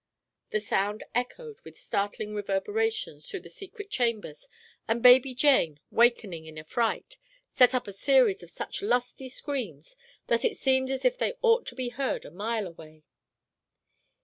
The sound echoed with startling reverberations through the secret chambers and baby Jane, wakening in affright, set up a series of such lusty screams that it seemed as if they ought to be heard a mile away.